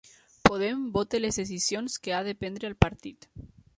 Podem vota les decisions que ha de prendre el partit